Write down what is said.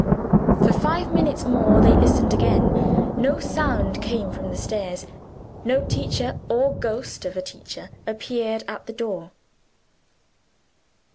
For five minutes more they listened again. No sound came from the stairs; no teacher, or ghost of a teacher, appeared at the door.